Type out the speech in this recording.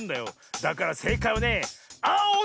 だからせいかいはねあおなのだよ！